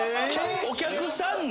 お客さんに！？